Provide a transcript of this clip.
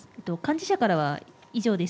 幹事社からは以上です。